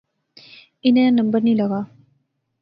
انیں ناں نمبر نی لغا